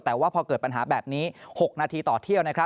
แต่ว่าพอเกิดปัญหาแบบนี้๖นาทีต่อเที่ยว